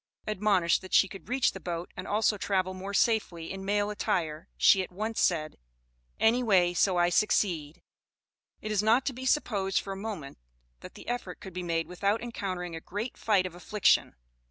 Admonished that she could reach the boat and also travel more safely in male attire she at once said, "Any way so I succeed." It is not to be supposed for a moment, that the effort could be made without encountering a great "fight of affliction."